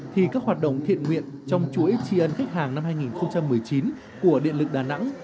thì các hoạt động thiện nguyện trong chuỗi tri ân khách hàng năm hai nghìn một mươi chín của điện lực đà nẵng